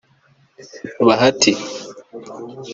Bahati